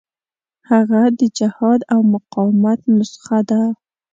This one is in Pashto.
هغه د جهاد او مقاومت نسخه ده.